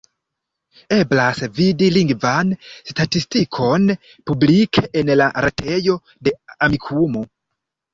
Eblas vidi lingvan statistikon publike en la retejo de Amikumu.